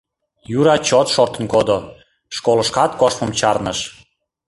Юра чот шортын кодо, школышкат коштмым чарныш.